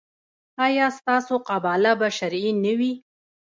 ایا ستاسو قباله به شرعي نه وي؟